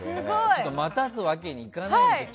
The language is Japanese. ちょっと待たせるわけにいかないんですよ。